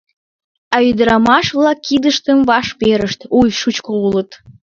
А ӱдырамаш-влак кидыштым ваш перышт: «Уй, шучко улыт!